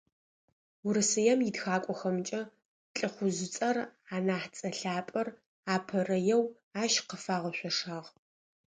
Урысыем итхакӀохэмкӏэ ЛӀыхъужъыцӏэр, анахь цӏэ лъапӏэр, апэрэеу ащ къыфагъэшъошагъ.